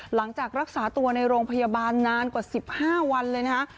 หลังจากรักษาตัวในโรงพยาบาลนานกว่า๑๕วันเลยนะคะ